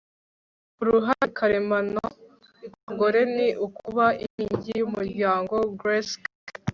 uruhare karemano rw'abagore ni ukuba inkingi y'umuryango. - grace kelly